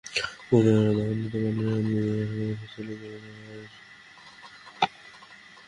কোনো এলাকা দখলে নিতে পারলে সেখানে নিজেদের শাসনব্যবস্থা চালু করছে আইএস।